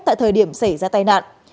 tại thời điểm xảy ra tai nạn